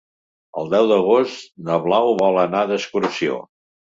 El deu d'agost na Blau vol anar d'excursió.